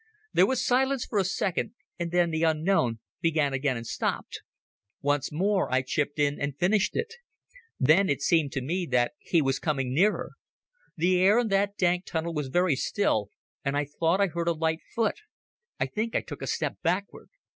There was silence for a second, and then the unknown began again and stopped. Once more I chipped in and finished it. Then it seemed to me that he was coming nearer. The air in that dank tunnel was very still, and I thought I heard a light foot. I think I took a step backward.